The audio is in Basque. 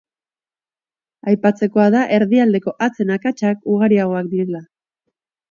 Aipatzekoa da erdialdeko hatzen akatsak ugariagoak direla.